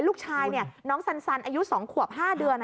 ลูกชายน้องสันอายุ๒ขวบ๕เดือน